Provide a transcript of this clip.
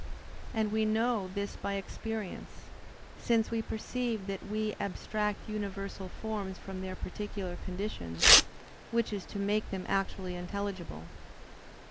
And we know this by experience, since we perceive that we abstract universal forms from their particular conditions, which is to make them actually intelligible.